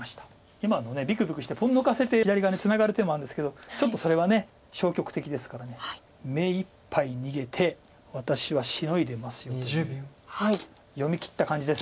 今のびくびくしてポン抜かせて左側にツナがる手もあるんですけどちょっとそれは消極的ですから目いっぱい逃げて「私はシノいでますよ」という読みきった感じです